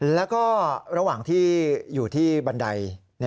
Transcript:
แล้วก็ระหว่างที่อยู่ที่บันได